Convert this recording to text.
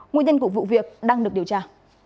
nguyên nhân của vụ việc đang được điều tra